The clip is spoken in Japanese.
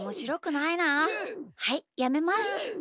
はいやめます。